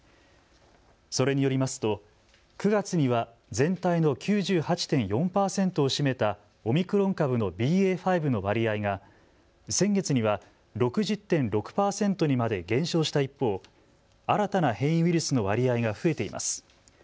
それによりますと９月には全体の９８．４％を占めたオミクロン株のＢＡ．５の割合が先月には６０．６％にまで減少した一方、新たな変異ウイルスの割合が増えています。